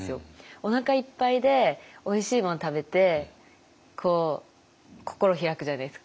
おなかいっぱいでおいしいもの食べて心を開くじゃないですか。